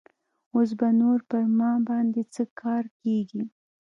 اوس به نور پر ما باندې څه کار کيږي.